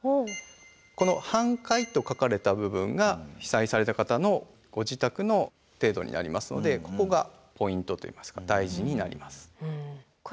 この「半壊」と書かれた部分が被災された方のご自宅の程度になりますのでここがポイントといいますか大事になります。